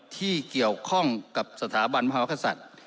ที่เกี่ยวข้องกับสถาบันพระมหากษัตริย์